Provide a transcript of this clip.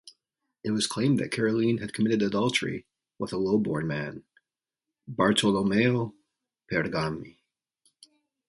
It was claimed that Caroline had committed adultery with a low-born man: Bartolomeo Pergami.